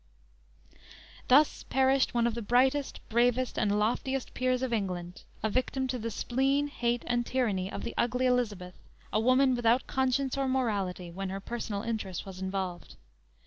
Thus perished one of the brightest, bravest and loftiest peers of England, a victim to the spleen, hate and tyranny of the ugly Elizabeth, a woman without conscience or morality, when her personal interest was involved.